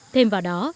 thêm vào đó